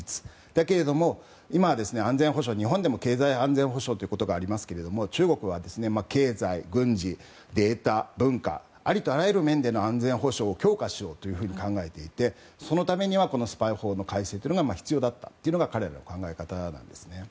だけれども、今は日本でも経済安全保障ということがありますが中国は経済、軍事、データ、文化ありとあらゆる面での安全保障を強化しようと考えていてそのためにはスパイ法の改正が必要だったというのが彼の考え方だったんです。